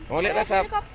mau lihat asap